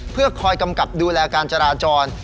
เพื่อคอยกำกับดูแลการจราจร